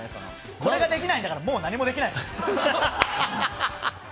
これができないんだからもう何もできない。